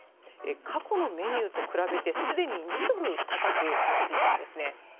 過去のメニューと比べて、すでに２ドル高くなっていたんですね。